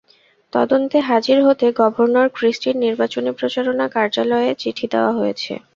তদন্তে হাজির হতে গভর্নর ক্রিস্টির নির্বাচনী প্রচারণা কার্যালয়ে চিঠি দেওয়া হয়েছে।